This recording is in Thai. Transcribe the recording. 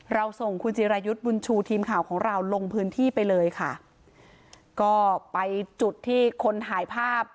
เราส่งคุณจิรายุทธ์บุญชูทีมข่าวของเราลงพื้นที่ไปเลยค่ะก็ไปจุดที่คนถ่ายภาพ